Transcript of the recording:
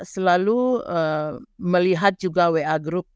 selalu melihat juga wa group